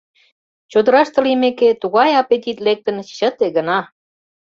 Чодыраште лиймеке, тугай аппетит лектын, чыте гына!